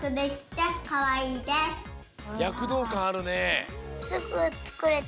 やくどうかんあるね。